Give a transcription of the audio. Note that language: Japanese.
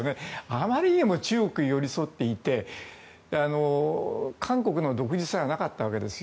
あまりにも中国に寄り添っていて韓国の独自性がなかったわけです。